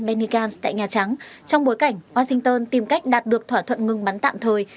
benny gantz tại nhà trắng trong bối cảnh washington tìm cách đạt được thỏa thuận ngừng bắn tạm thời